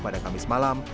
pada kamis malam